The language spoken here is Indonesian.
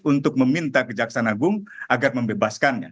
untuk meminta kejaksaan agung agar membebaskannya